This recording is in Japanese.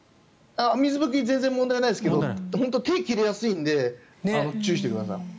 水拭き全然問題ないですが本当、手が切れやすいので気をつけてください。